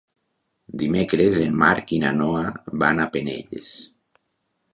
Dimecres en Marc i na Noa van a Penelles.